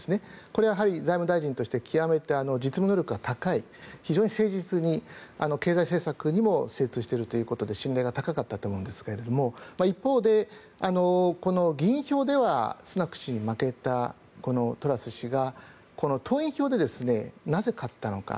これはやはり財務大臣として実務能力が高い非常に誠実に、経済政策にも精通しているということで信頼が高かったと思うんですが一方で、議員票ではスナク氏に負けたトラス氏が党員票でなぜ勝ったのか。